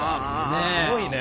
すごいね。